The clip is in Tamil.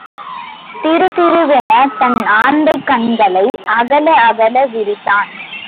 திரு திருவென தன் ஆந்தைக் கண்களை அகல அகல விரித்தான்.